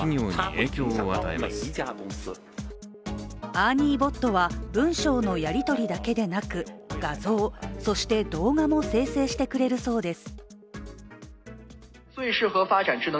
ＥＲＮＩＥＢｏｔは文章のやり取りだけでなく画像、そして動画も生成してくれるそうです。